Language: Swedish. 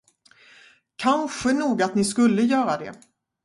Kanske nog att ni skulle göra det.